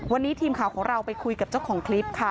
วันนี้ทีมข่าวของเราไปคุยกับเจ้าของคลิปค่ะ